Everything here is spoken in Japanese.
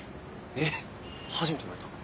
えっ初めて言われた。